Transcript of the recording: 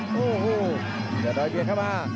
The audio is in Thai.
โอ้โหเดี๋ยวดอยเบียนเข้ามา